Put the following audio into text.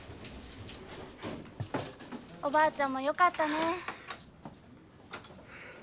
おばあちゃんもよかったね。